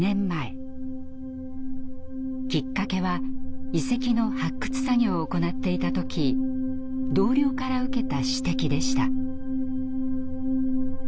きっかけは遺跡の発掘作業を行っていた時同僚から受けた指摘でした。